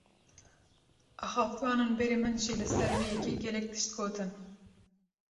Axaftvanên berî min jî li ser vê yekê, gelek tişt gotin